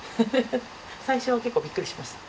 最初は結構びっくりしました。